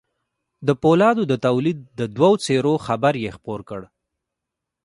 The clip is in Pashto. د پولادو د توليد د دوو څېرو خبر يې خپور کړ.